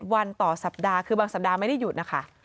วันต่อสัปดาห์คือบางสัปดาห์ไม่ได้หยุดนะคะ